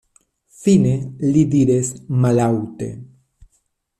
Fine li diris mallaŭte: